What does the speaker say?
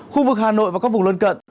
khu vực hà nội và các vùng lân cận